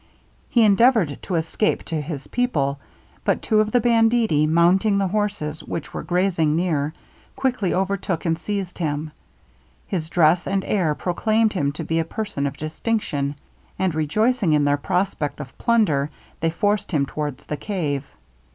He endeavoured to escape to his people; but two of the banditti mounting the horses which were grazing near, quickly overtook and seized him. His dress and air proclaimed him to be a person of distinction; and, rejoicing in their prospect of plunder, they forced him towards the cave.